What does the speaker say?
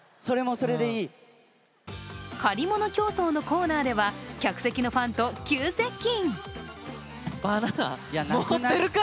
競走のコーナーでは客席のファンと急接近。